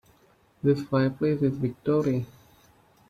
This fireplace is victorian.